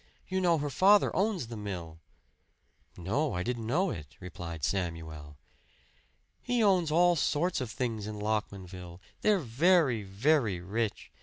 You know, her father owns the mill." "No, I didn't know it," replied Samuel. "He owns all sorts of things in Lockmanville. They're very, very rich.